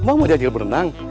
mau mau diajarin berenang